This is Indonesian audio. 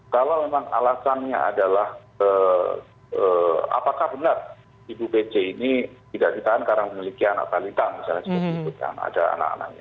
kalau memang alasannya adalah apakah benar ibu pc ini tidak ditahan karena memiliki anak balita misalnya